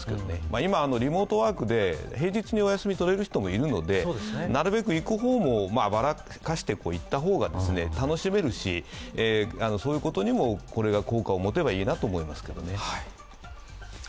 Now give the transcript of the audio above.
今、リモートワークで平日にお休み取れる人もいるのでなるべく行く方もばらかしていった方が楽しめるし、そういうことにもこれが効果を持てばいいと思います。